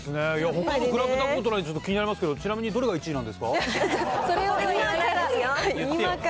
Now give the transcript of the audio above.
ほかの比べたことない、気になりますけど、ちなみに、どれが１位なんですか？